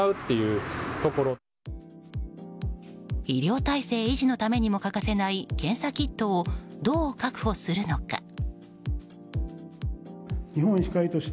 医療体制維持のためにも欠かせない検査キットをどう確保するのか。